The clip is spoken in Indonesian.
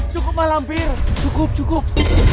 cukup cukup cukup